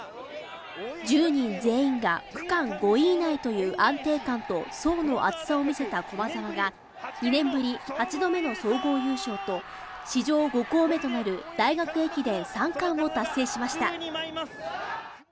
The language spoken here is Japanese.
１０人全員が区間５位以内という安定感と層の厚さを見せた駒澤が２年ぶり８度目の総合優勝と史上５校目となる大学駅伝三冠を達成しました。